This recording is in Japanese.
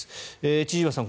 千々岩さん